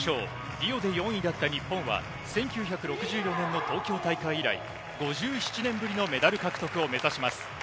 リオで４位だった日本は、１９６４年の東京大会以来、５７年ぶりのメダル獲得を目指します。